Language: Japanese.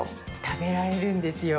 食べられるんですよ。